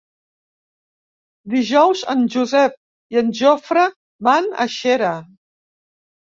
Dijous en Josep i en Jofre van a Xera.